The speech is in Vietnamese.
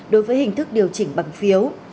đối với hình thức điều chỉnh bằng phiếu